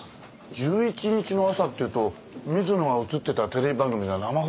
１１日の朝っていうと水野が映ってたテレビ番組が生放送された。